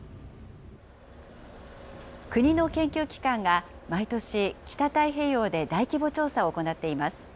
国の研究機関が毎年、北太平洋で大規模調査を行っています。